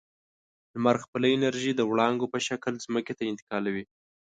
لمر خپله انرژي د وړانګو په شکل ځمکې ته انتقالوي.